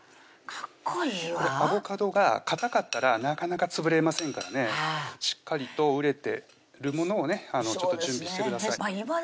かっこいいわアボカドがかたかったらなかなか潰れませんからねしっかりと熟れてるものをねちょっと準備してください